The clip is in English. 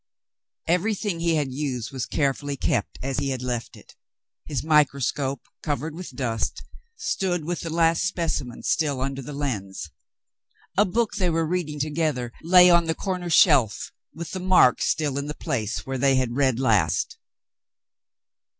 Every thing he had used was carefully kept as he had left it. His microscope, covered from dust, stood with the last speci men still under the lens. A book they were reading to gether lay on the corner shelf, with the mark still in the place where they had read last.